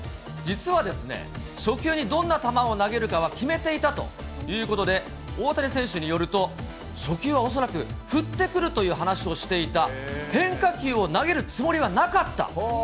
実はですね、初球にどんな球を投げるかは決めていたということで、大谷選手によると、初球は恐らく振ってくるという話をしていた、変化球を投げるつもりはなかった。